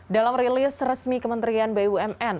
dalam rilis resmi kementerian bumn